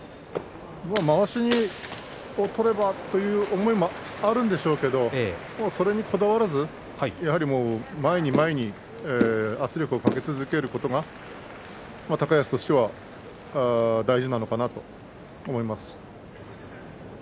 まわしを取ればという思いはあるんでしょうけどそれにこだわらずにやはり前に前に圧力をかけ続けることが高安としては大事なのかなと思います。